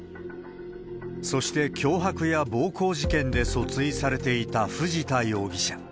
そして、脅迫や暴行事件で訴追されていた藤田容疑者。